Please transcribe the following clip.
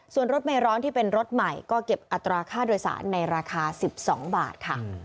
ส่วนรถเมร้อนที่เป็นรถใหม่ก็เก็บอัตราค่าโดยสารในราคา๑๒บาทค่ะ